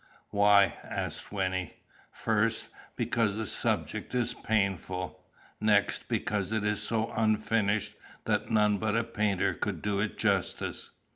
"Why?" asked Wynnie. "First, because the subject is painful. Next, because it is so unfinished that none but a painter could do it justice."